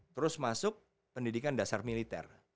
terus masuk pendidikan dasar militer